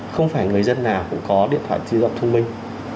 không phải người dân nào cũng có điện thoại di động thông minh